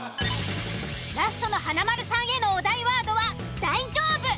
ラストの華丸さんへのお題ワードは「大丈夫」。